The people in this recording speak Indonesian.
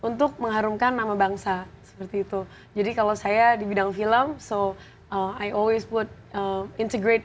untuk mengharumkan nama bangsa seperti itu jadi kalau saya dibidang film soua io is work integration